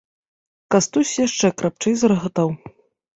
Кастусь яшчэ крапчэй зарагатаў.